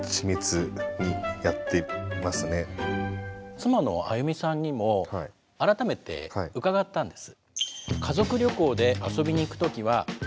妻のあゆみさんにも改めて伺ったんです。